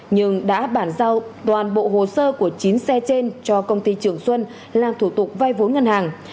nhưng đã bản giao toàn bộ hồ sơ của chín xe trên cho công ty trường xuân làm thủ tục vay vốn ngân hàng